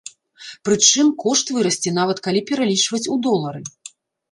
Прычым, кошт вырасце нават калі пералічваць у долары.